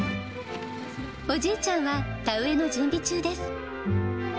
おじいちゃんは田植えの準備中です。